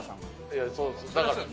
いやそうですよ。